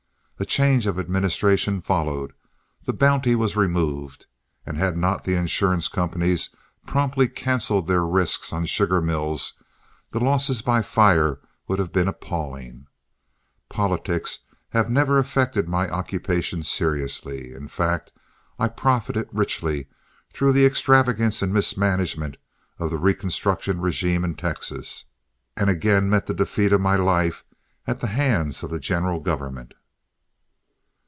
A change of administration followed, the bounty was removed, and had not the insurance companies promptly canceled their risks on sugar mills, the losses by fire would have been appalling. Politics had never affected my occupation seriously; in fact I profited richly through the extravagance and mismanagement of the Reconstruction régime in Texas, and again met the defeat of my life at the hands of the general government.